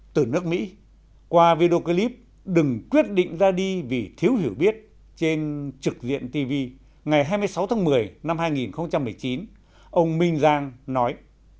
từ nước mỹ qua video clip đừng quyết định ra đi vì thiếu hiểu biết trên trực diện tv ngày hai mươi sáu tháng một mươi năm hai nghìn một mươi chín ông minh giang nói